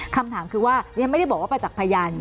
คำถามคือว่าเราไม่ได้บอกว่าไปจากพยาน